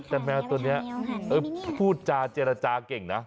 แต่แมวตัวนี้พูดจาเจรจาเก่งนะ